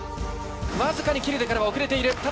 わずかにキルデからは遅れている。